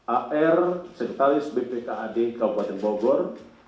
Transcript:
ar sekretaris bpkad kabupaten bogor